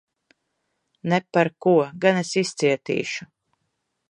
Ne par ko! Gan es izcietīšu.